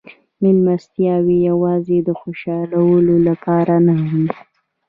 مېلمستیاوې یوازې د خوشحالولو لپاره نه وې.